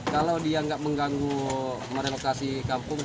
kalau dia nggak mengganggu merelokasi kampung